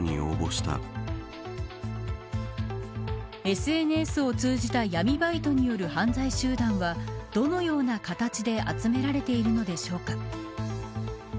ＳＮＳを通じた闇バイトによる犯罪集団はどのような形で集められているのでしょうか。